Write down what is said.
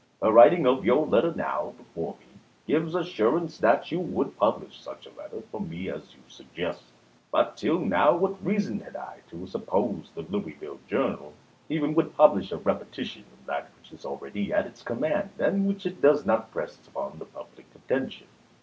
The writing of your letter, now before me, gives assurance that you would publish such a letter from me as you suggest ; but, till now, what reason had I to suppose the " Louisville Journal," even, would publish a repetition of that which is already at its command, and which it does not press upon the public attention